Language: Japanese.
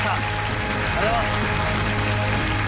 ありがとうございます。